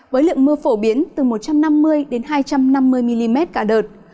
với lượng mưa phổ biến từ một trăm năm mươi đến hai trăm năm mươi mm cả đợt